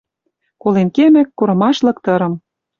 Колен кемӹк, курымашлык тырым